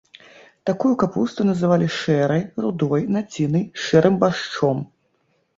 Такую капусту называлі шэрай, рудой, націнай, шэрым баршчом.